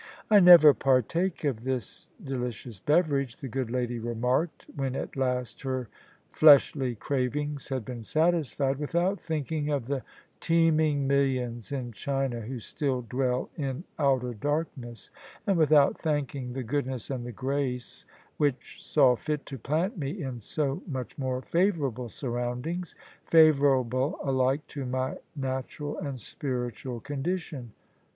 " I never partake of this delicious beverage," the good lady remarked when at last her fleshly cravings had been satisfied, without thinking of the teeming millions in China who still dwell in outer darkness : and without thanking the goodness and the grace which saw fit to plant me in so much more favourable surroundings — favourable alike to my natu ral and spiritual condition.